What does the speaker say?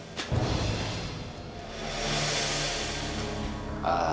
oke mas bantu